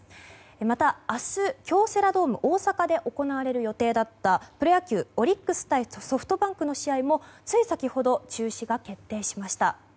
また、明日京セラドーム大阪で行われる予定だったプロ野球、オリックス対ソフトバンクの試合もつい先ほど中止が決定しました。